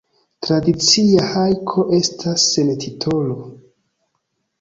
Tradicia hajko estas sen titolo.